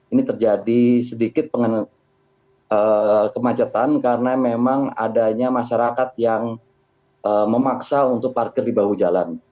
ini terjadi sedikit kemacetan karena memang adanya masyarakat yang memaksa untuk parkir di bahu jalan